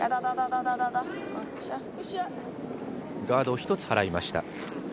ガードを１つ払いました。